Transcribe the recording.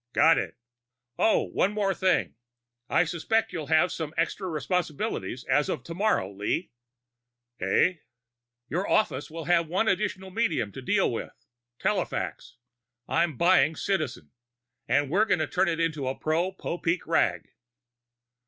"Got it." "Oh, one more thing. I suspect you'll have some extra responsibilities as of tomorrow, Lee." "Eh?" "Your office will have one additional medium to deal with. Telefax. I'm buying Citizen and we're going to turn it into a pro Popeek rag."